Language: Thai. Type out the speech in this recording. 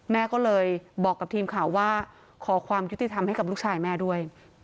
แม่ก็เลยบอกกับทีมข่าวว่าขอความยุติธรรมให้กับลูกชายแม่ด้วย